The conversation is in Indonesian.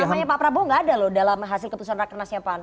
namanya pak prabowo nggak ada loh dalam hasil keputusan rakernasnya pan